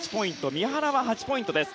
三原は８ポイントです。